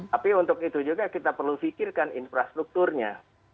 tapi untuk itu juga kita perlu fikirkan infrastrukturnya